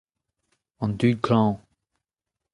An dud klañv.